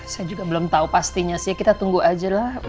saya juga belum tahu pastinya sih kita tunggu aja lah